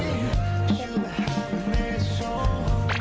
รี๊ดดีหรอ